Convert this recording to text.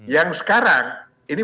yang sekarang ini